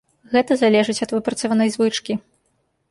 Гэта залежыць ад выпрацаванай звычкі.